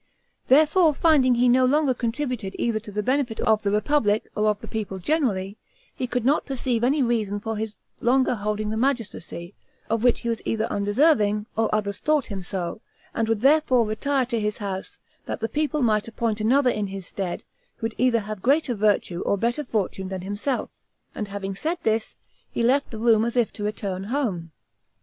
Therefore finding he no longer contributed either to the benefit of the republic or of the people generally, he could not perceive any reason for his longer holding the magistracy, of which he was either undeserving, or others thought him so, and would therefore retire to his house, that the people might appoint another in his stead, who would either have greater virtue or better fortune than himself." And having said this, he left the room as if to return home.